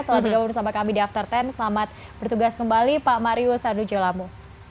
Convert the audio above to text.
telah bergabung bersama kami di after sepuluh selamat bertugas kembali pak marius ardu ujolamu